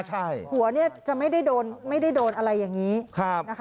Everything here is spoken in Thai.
หัวจะไม่ได้โดนอะไรอย่างนี้